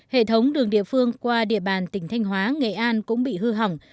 hệ thống đường địa phương qua địa bàn tỉnh thanh hóa nghệ an cũng bị hư hỏng